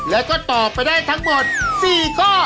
แล้วก็ตอบไปได้ทั้งหมด๔ข้อ